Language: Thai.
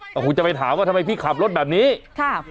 ก็คงจะไปถามว่าทำไมพี่ขับรถแบบนี้ค่ะ